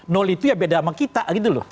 nol itu ya beda sama kita gitu loh